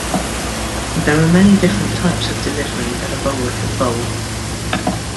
There are many different types of delivery that a bowler can bowl.